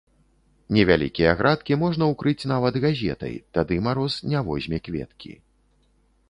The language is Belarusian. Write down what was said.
Невялікія градкі можна укрыць нават газетай, тады мароз не возьме кветкі.